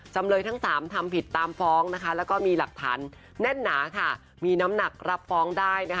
จำเลยทั้ง๓ทำผิดตามฟ้องนะคะแล้วก็มีหลักฐานแน่นหนาค่ะมีน้ำหนักรับฟ้องได้นะคะ